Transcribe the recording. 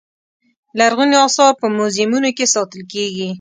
لرغوني اثار په موزیمونو کې ساتل کېږي.